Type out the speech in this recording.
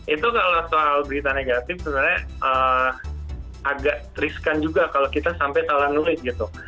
itu kalau soal berita negatif sebenarnya agak riskan juga kalau kita sampai salah nulis gitu